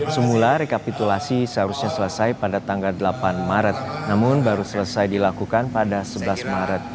semula rekapitulasi seharusnya selesai pada tanggal delapan maret namun baru selesai dilakukan pada sebelas maret